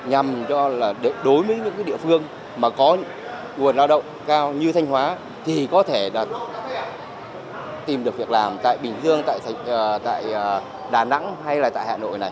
dành cho đối với những địa phương có nguồn lao động cao như thanh hóa thì có thể tìm được việc làm tại bình dương đà nẵng hay hà nội